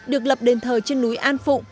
được lập đền thờ trên núi an phụ